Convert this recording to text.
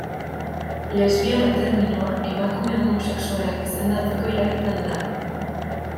Lesbiana terminoa emakume homosexualak izendatzeko erabiltzen da.